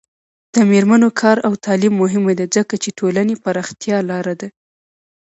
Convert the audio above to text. د میرمنو کار او تعلیم مهم دی ځکه چې ټولنې پراختیا لاره ده.